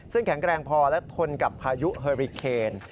ซึ่งแข็งแรงพอและทนกับพายุเฮอริเคน